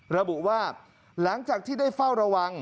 ระบุว่าหลังจากที่ได้เฝ้าระวัง